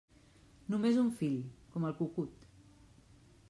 Només un fill, com el cucut.